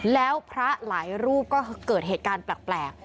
แล้วพระหลายรูปก็เกิดเหตุการณ์แปลก